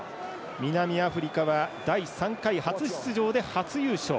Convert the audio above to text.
南アフリカは第３回初出場で初優勝。